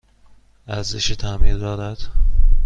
ارزش تعمیر دارد؟